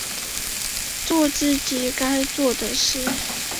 作自己该做的事